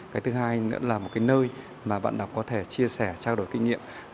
cái thứ hai nữa là một cái nơi mà bạn đọc có thể chia sẻ trao đổi kinh nghiệm